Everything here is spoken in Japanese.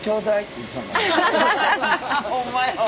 ほんまやわ。